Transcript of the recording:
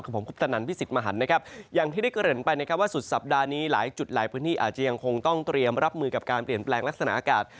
ผมคุปตนันพิสิทธิ์มหันนะครับอย่างที่ได้เกริ่นไปนะครับว่าสุดสัปดาห์นี้หลายจุดหลายพื้นที่อาจจะยังคงต้องเตรียมรับมือกับการเปลี่ยนแปลงลักษณะอากาศ